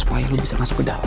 supaya lo bisa masuk ke dalam